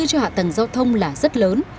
cho hạ tầng giao thông là rất lớn